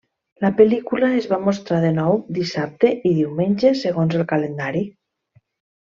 La pel·lícula es va mostrar de nou dissabte i diumenge segons el calendari.